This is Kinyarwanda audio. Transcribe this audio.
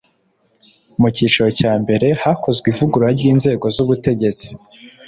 Mu cyiciro cya mbere hakozwe ivugurura ry’inzego z’ubutegetsi